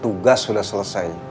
tugas sudah selesai